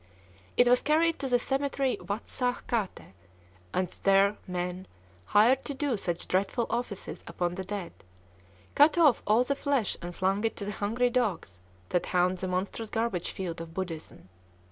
It was carried to the cemetery Watt Sah Kâte; and there men, hired to do such dreadful offices upon the dead, cut off all the flesh and flung it to the hungry dogs that haunt that monstrous garbage field of Buddhism.